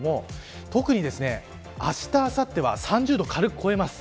特にあした、あさっては３０度を軽く超えます。